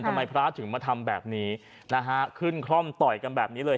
ทำไมพระถึงมาทำแบบนี้นะฮะขึ้นคล่อมต่อยกันแบบนี้เลย